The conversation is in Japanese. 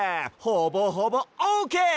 ほぼほぼオーケー！